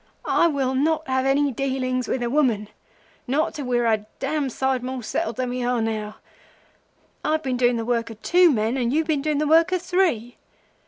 'I will not have any dealings with a woman not till we are a dam' side more settled than we are now. I've been doing the work o' two men, and you've been doing the work o' three.